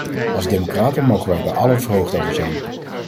Als democraten mogen wij daar allen verheugd over zijn.